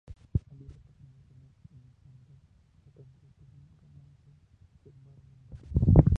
Amiga personal del primer ministro Andreas Papandreu, tuvo un romance con Marlon Brando.